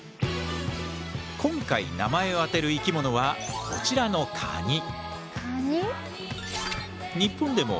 今回名前を当てる生き物はこちらのカニ。